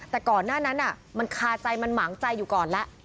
แต่ก่อนหน้านั้นมันคาใจมันหมางใจอยู่ก่อนแล้ว